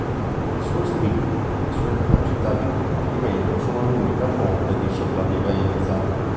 Il suo istinto e le sue capacità di combattimento sono l'unica fonte di sopravvivenza.